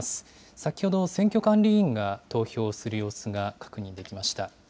先ほど、選挙管理委員が投票する様子が確認できました。